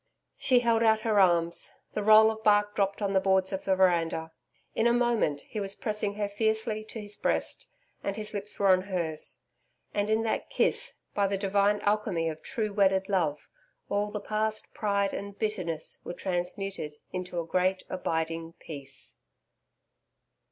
She held out her arms. The roll of bark dropped on the boards of the veranda. In a moment he was pressing her fiercely to his breast, and his lips were on hers. And in that kiss, by the divine alchemy of true wedded love, all the past pride and bitterness were transmuted into a great abiding Peace.